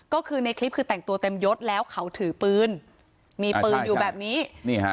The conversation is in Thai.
ก็คือในคลิปคือแต่งตัวเต็มยศแล้วเขาถือปืนมีปืนอยู่แบบนี้